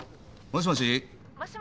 「もしもし」